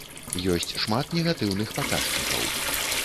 Ёсць шмат негатыўных паказчыкаў.